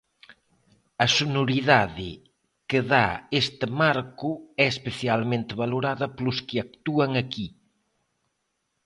A sonoridade que da este marco é especialmente valorada polos que actúan aquí.